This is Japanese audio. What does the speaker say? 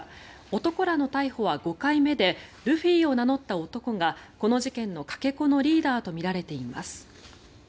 男らの逮捕は５回目でルフィを名乗った男がこの事件のかけ子のリーダーとみられています。